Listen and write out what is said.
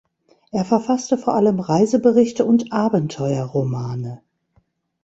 Er verfasste vor allem Reiseberichte und Abenteuerromane.